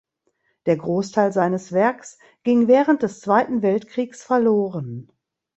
Der Großteil seines Werks ging während des Zweiten Weltkriegs verloren.